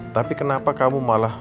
tapi kenapa kamu malah